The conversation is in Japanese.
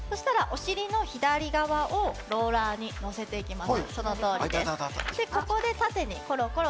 そしたら、お尻の左側をローラーに乗せていきます。